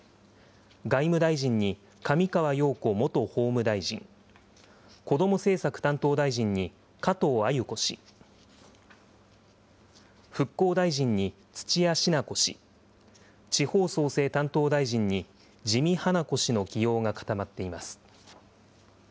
外務大臣に上川陽子元法務大臣、こども政策担当大臣に加藤鮎子氏、復興大臣に土屋品子氏、地方創生担当大臣に自見英子氏の起用が固まっています。